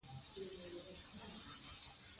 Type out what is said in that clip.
په افغانستان کې انګور د خلکو د اعتقاداتو سره تړاو لري.